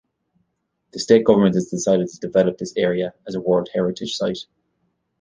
The state government has decided to develop this area as a World Heritage site.